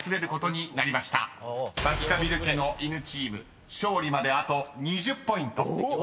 ［バスカヴィル家の犬チーム勝利まであと２０ポイント］